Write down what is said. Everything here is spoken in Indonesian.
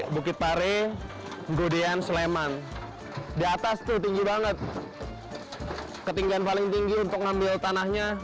bukit pare gudean sleman di atas tuh tinggi banget ketinggian paling tinggi untuk ngambil tanahnya